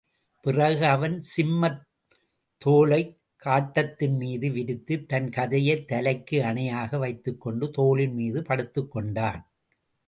பிறகு அவன் சிம்மத் தோலைக் காட்டத்தின்மீது விரித்து தன் கதையைத் தலைக்கு அணையாக வைத்துக்கொண்டு, தோலின் மீது படுத்துக்கொண்டான்.